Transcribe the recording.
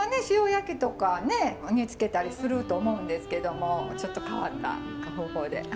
塩焼きとかね煮つけたりすると思うんですけどもちょっと変わった方法で。